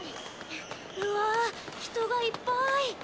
うわ人がいっぱい！